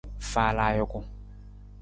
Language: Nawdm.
Faala ajuku.